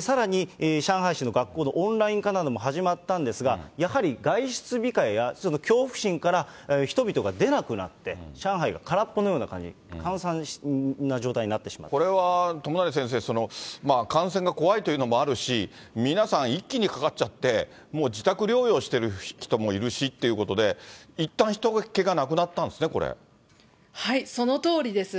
さらに、上海市の学校のオンライン化なども始まったんですが、やはり外出控えや、その恐怖心から、人々が出なくなって、上海が空っぽのような感じ、これは友成先生、感染が怖いというのもあるし、皆さん、一気にかかっちゃって、もう自宅療養してる人もいるしということで、いったんひと気がなくなったんでそのとおりです。